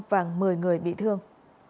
và một mươi người bị thương